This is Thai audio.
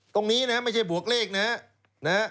ตรงนี้นะครับไม่ใช่บวกเลขนะครับ